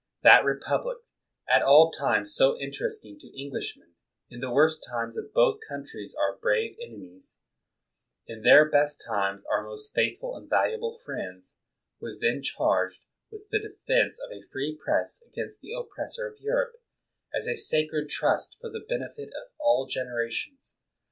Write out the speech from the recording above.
That re public, at all times so interesting to Englishmen — in the worst times of both countries our brave enemies; in their best times our most faithful and valuable friends — was then charged with the defense of a free Press against the oppressor of Europe, as a sacred trust for the benefit of all generations.